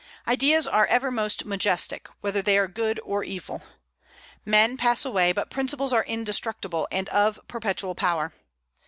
Ideas are ever most majestic, whether they are good or evil. Men pass away, but principles are indestructible and of perpetual power.